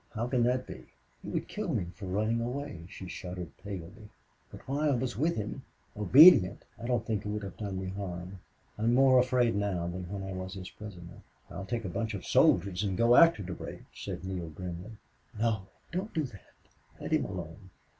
How can that be?" "He would kill me for running away," she shuddered, paling. "But while I was with him, obedient I don't think he would have done me harm. I'm more afraid now than when I was his prisoner." "I'll take a bunch of soldiers and go after Durade," said Neale, grimly. "No. Don't do that. Let him alone.